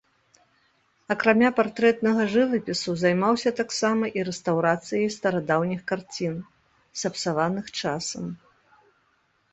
Акрамя партрэтнага жывапісу займаўся таксама і рэстаўрацыяй старадаўніх карцін, сапсаваных часам.